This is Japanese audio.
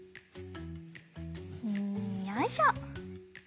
よいしょ！